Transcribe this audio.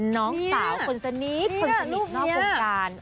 น้องสาวคนสนิทคนสนิทนอกกรุงการนี่น่ะนี่น่ะลูกนี่น่ะ